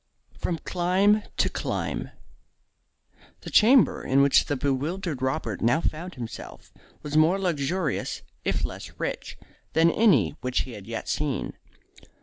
FROM CLIME TO CLIME The chamber in which the bewildered Robert now found himself was more luxurious, if less rich, than any which he had yet seen.